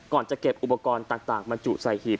ก่อนจะเก็บอุปกรณ์ต่างมาจุดใส่หีบ